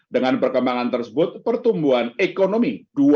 dengan perkembangan tersebut pertumbuhan ekonomi dua ribu dua puluh dua